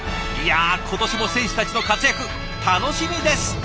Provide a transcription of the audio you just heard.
いや今年も選手たちの活躍楽しみです。